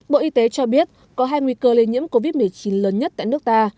bộ y tế cho biết có hai nguy cơ lây nhiễm covid một mươi chín lớn nhất tại nước ta